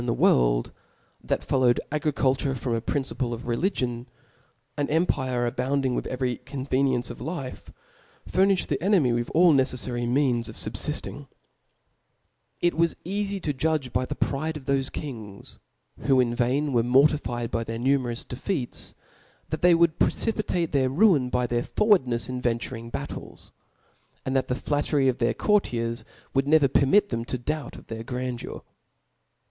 ^*t^^" in the world, that followed agrkukurefrom a principle of religion ; an empire abounding with every conveniency of life, furniihed the enemy with all necefTary means of fubfiftingl It was eafy to judges by the pride of thoTe kmgs^ who in vain were mortifkd by their numerous de feats, that they would precipitate their ruin by their . forwardnefs in venturing battles ; and that the flat^ tery of their courtiers would never permit tfactn ta doubt of their grandeur.